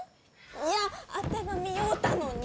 ・やあてが見ようたのに！